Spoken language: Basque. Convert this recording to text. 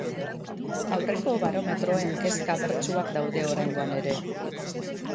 Aurreko barometroen kezka bertsuak daude oraingoan ere.